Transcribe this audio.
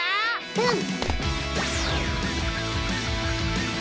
うん！